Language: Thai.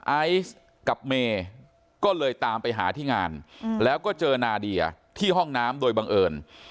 ไอซ์กับเมย์ก็เลยตามไปหาที่งานแล้วก็เจอนาเดียที่ห้องน้ำโดยบังเอิญ